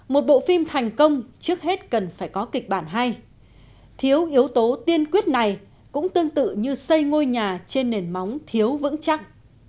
một bộ phim thành công trước hết cần phải có kịch bản hay thiếu yếu tố tiên quyết này cũng tương tự như xây ngôi nhà trên nền móng thiếu vững chắc